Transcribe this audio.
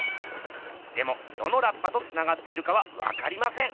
でもどのラッパとつながっているかはわかりません。